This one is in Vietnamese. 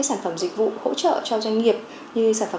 xã hội đã văn minh và